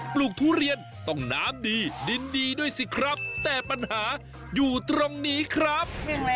ลูกทุเรียนต้องน้ำดีดินดีด้วยสิครับแต่ปัญหาอยู่ตรงนี้ครับ